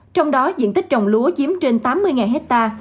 trong đó diện tích trồng lúa chiếm trên tám mươi hectare